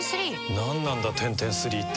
何なんだテンテンスリーって